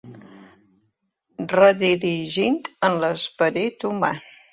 Redirigint amb l'esperit humà.